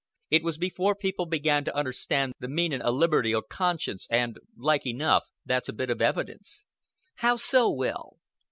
It was before people began to understan' the meanin' o' liberty o' conscience; and, like enough, that's a bit of evidence." "How so, Will?"